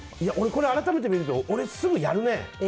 これ、改めて見ると俺、すぐやるね。